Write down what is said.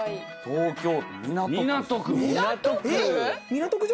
東京都港区。港区！？